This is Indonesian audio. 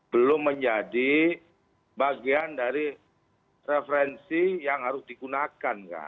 belum menjadi bagian dari referensi yang harus digunakan